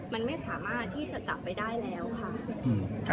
มันไม่สามารถที่จะกลับไปได้แล้วค่ะ